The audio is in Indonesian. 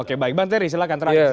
oke baik bang terry silahkan terakhir